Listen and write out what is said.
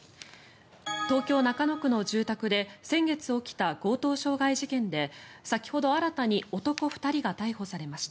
東京・中野区の住宅で先月起きた強盗傷害事件で先ほど新たに男２人が逮捕されました。